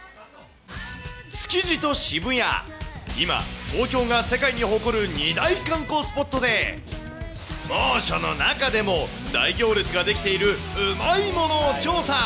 築地と渋谷、今、東京が世界に誇る２大観光スポットで、猛暑の中でも大行列が出来ているうまいものを調査。